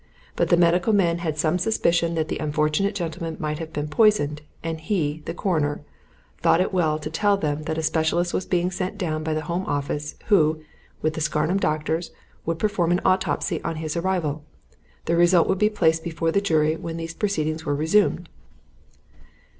But the medical men had some suspicion that the unfortunate gentleman might have been poisoned, and he, the Coroner, thought it well to tell them that a specialist was being sent down by the Home Office, who, with the Scarnham doctors, would perform an autopsy on his arrival. The result would be placed before the jury when these proceedings were resumed.'"